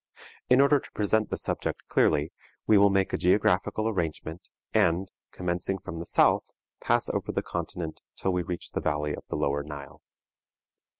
In order to present the subject clearly, we will make a geographical arrangement, and, commencing from the south, pass over the continent, till we reach the valley of the Lower Nile.